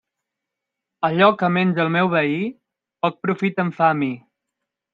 Allò que menja el meu veí, poc profit em fa a mi.